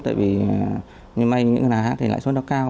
tại vì như may những người nào hát thì lãi suất nó cao